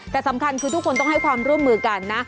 แต่สำคัญคือทุกคนต้องให้ความร่วมมือกันนะ